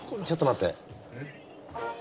ちょっと待って。